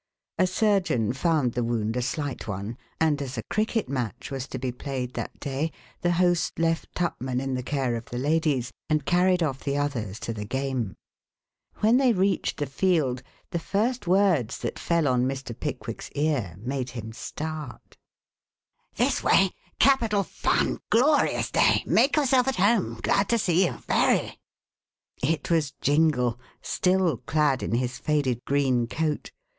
A surgeon found the wound a slight one, and as a cricket match was to be played that day, the host left Tupman in the care of the ladies and carried off the others to the game. When they reached the field, the first words that fell on Mr. Pickwick's ear made him start: "This way capital fun glorious day make yourself at home glad to see you very." It was Jingle, still clad in his faded green coat.